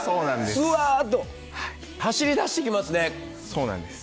ふわーっと走り出してきますね。